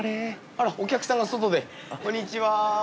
あらお客さんが外でこんにちは。